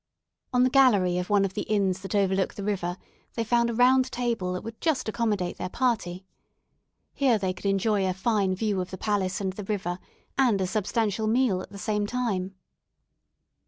On the gallery of one of the inns that overlook the river they found a round table that would just accommodate their party. Here they could enjoy a fine view of the palace and the river, and a substantial meal at the same time.